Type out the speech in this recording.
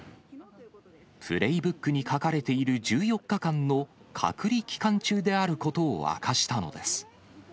プレイブックに書かれている１４日間の隔離期間中であることを明かしたのです。